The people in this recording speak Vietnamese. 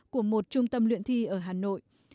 của một trung tâm luyện thi ở hà nội